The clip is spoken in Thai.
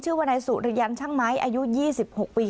วนายสุริยันช่างไม้อายุ๒๖ปี